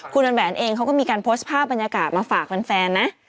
คุณแหวนเองเขาก็มีการโพสต์ภาพบรรยากาศมาฝากแฟนนะ